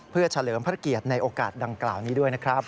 เพื่อเฉลิมพระเกียรติในโอกาสดังกล่าวนี้ด้วยนะครับ